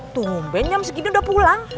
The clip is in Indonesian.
tunggu benyam segini udah pulang